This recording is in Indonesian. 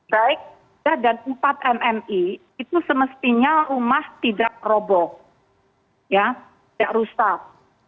baik tiga dan empat mmi itu semestinya rumah tidak roboh tidak rusak